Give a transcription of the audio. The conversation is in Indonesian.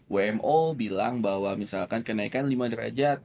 wmo bilang bahwa misalkan kenaikan lima derajat